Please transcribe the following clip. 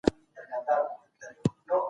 بې هدفه کار ستړی کوونکی وي.